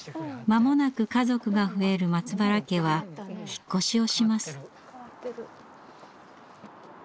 間もなく家族が増える松原家は引っ越しをします。